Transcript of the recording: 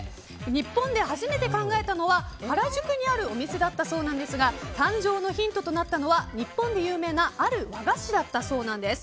日本で初めて考えたのは原宿にあるお店だったそうですが誕生のヒントとなったのは日本で有名なある和菓子だったそうなんです。